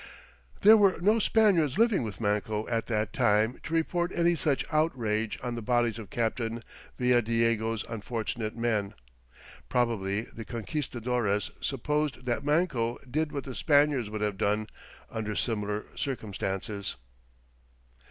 There were no Spaniards living with Manco at that time to report any such outrage on the bodies of Captain Villadiego's unfortunate men. Probably the conquistadores supposed that Manco did what the Spaniards would have done under similar circumstances.